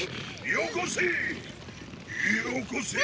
よこせ！